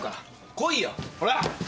来いよほら。